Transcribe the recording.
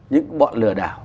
những bọn lừa đảo